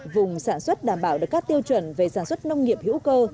vùng sản xuất đảm bảo được các tiêu chuẩn về sản xuất nông nghiệp hữu cơ